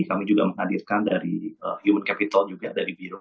kami juga menghadirkan dari human capital juga dari biro